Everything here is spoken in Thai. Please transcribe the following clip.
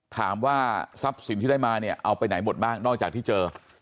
ถามว่าทรัพย์สินที่ได้มาเนี่ยเอาไปไหนหมดบ้างนอกจากที่เจอ